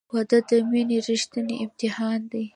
• واده د مینې ریښتینی امتحان دی.